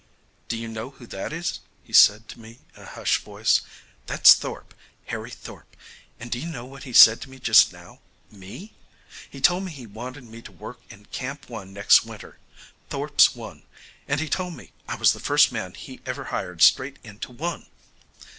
"Do you know who that is?" he asked me in a hushed voice. "That's Thorpe, Harry Thorpe. And do you know what he said to me just now, me? He told me he wanted me to work in Camp One next winter, Thorpe's One. And he told me I was the first man he ever hired straight into One."